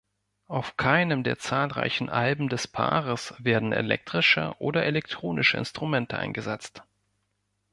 Auf keinem der zahlreichen Alben des Paares werden elektrische oder elektronische Instrumente eingesetzt.